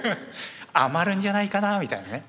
余るんじゃないかなみたいなね。